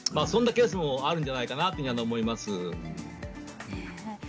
そんなケースもあるんじゃないかなと思います。